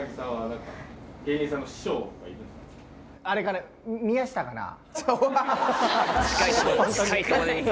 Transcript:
あれかね。